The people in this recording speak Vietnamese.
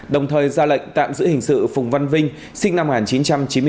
đồng thời ra lệnh tạm giữ hình sự phùng văn vinh sinh năm một nghìn chín trăm chín mươi bốn